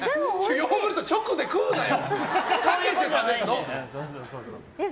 ヨーグルト直で食うなよ！